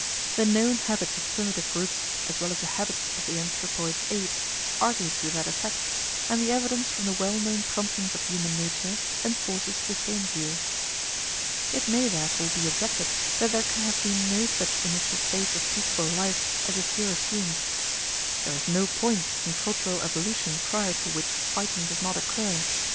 The known habits of primitive groups, as well as the habits of the anthropoid apes, argue to that effect, and the evidence from the well known promptings of human nature enforces the same view. It may therefore be objected that there can have been no such initial stage of peaceable life as is here assumed. There is no point in cultural evolution prior to which fighting does not occur.